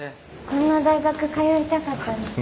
こんな大学通いたかったです。